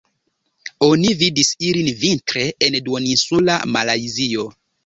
Oni vidis ilin vintre en duoninsula Malajzio.